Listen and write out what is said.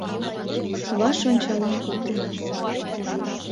Ваш ончалын колтена